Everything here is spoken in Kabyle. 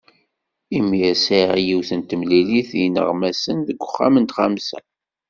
Imir sɛiɣ yiwet temlilit d yineɣmasen deg uxxam n tɣamsa.